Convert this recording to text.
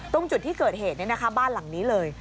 ตรงจุดที่เกิดเหตุบ้านหลังนี้เลย